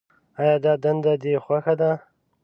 آیا دا دنده دې خوښه ده.